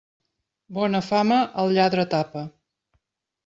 Bona fama, al lladre tapa.